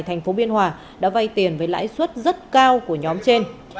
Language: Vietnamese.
tp biên hòa đã vây tiền với lãi suất rất cao của nhóm trên